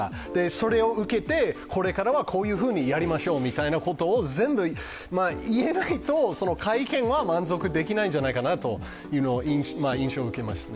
それを受けて、これからはこういうふうにやりましょうみたいなことを全部言えないと会見は満足できないんじゃないかなという印象を受けましたね。